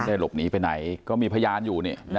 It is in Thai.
หลบหนีไปไหนก็มีพยานอยู่